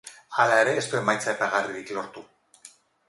Hala ere ez du emaitza aipagarririk lortu.